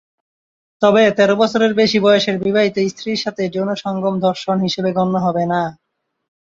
তবে তেরো বছরের বেশি বয়সের বিবাহিত স্ত্রীর সাথে যৌন সঙ্গম ধর্ষণ হিসেবে গণ্য হবে না।